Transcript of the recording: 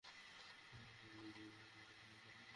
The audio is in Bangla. যদি এটা কঠিন হয়, তাহলে এটাকে বলিদান দাও।